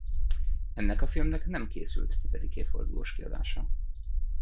Ennek a filmnek nem készült tizedik évfordulós kiadása.